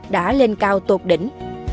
đã lên cao tột đỉnh